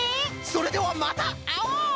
それではまたあおう！